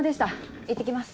いってきます。